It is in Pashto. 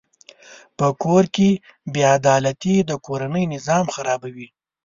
په کور کې بېعدالتي د کورنۍ نظام خرابوي.